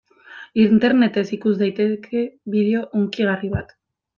Internetez ikus daiteke bideo hunkigarri bat.